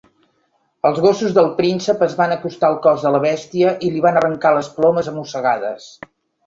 Els gossos del príncep es van acostar al cos de la bèstia i li van arrencar les plomes a mossegades.